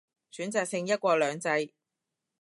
選擇性一國兩制